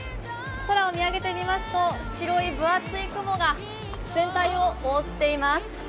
空を見上げてみますと白い分厚い雲が全体を覆っています。